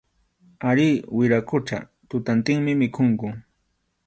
Arí, wiraqucha, tutantinmi mikhunku.